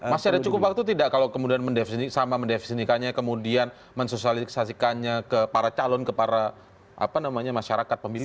masih ada cukup waktu tidak kalau kemudian sama mendefinikannya kemudian mensosialisasikannya ke para calon ke para masyarakat pemilih